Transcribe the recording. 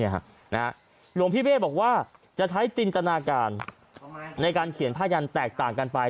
หลวงพี่เบ้บอกว่าจะใช้จินตนาการในการเขียนผ้ายันแตกต่างกันไป